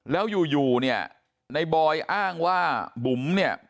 แล้วอยู่อยู่เนี่ยในบอยอ้างว่าบุ๋มเนี่ย